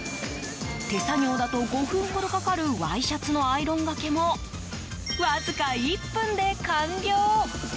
手作業だと５分ほどかかるワイシャツのアイロンがけもわずか１分で完了。